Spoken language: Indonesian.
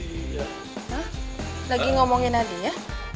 hah lagi ngomongin adiknya